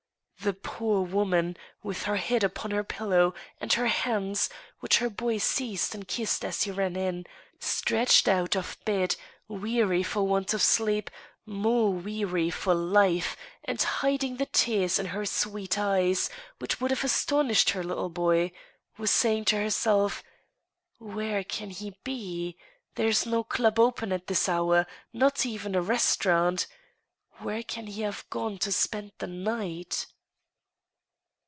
The poor woman, with her head upon her pillow and her hands Cwhich her boy seized and kissed as he ran in) stretched out of bed, weary for want of sleep, more weary of life, and hiding the tears in her sweet eyes, which would have astonished her little boy, was say ing to herself; " Where can he be ? There is no club open at this THE PRODIGAL HUSBAND. 47 hour— not even a restaurant. Where can he have gone to spend the night?